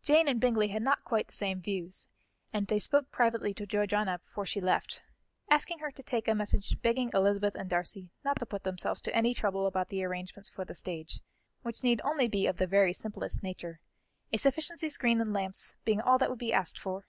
Jane and Bingley had not quite the same views, and they spoke privately to Georgiana before she left, asking her to take a message begging Elizabeth and Darcy not to put themselves to any trouble about the arrangements for the stage, which need only be of the very simplest nature, a sufficiency screen and lamps being all that would be asked for.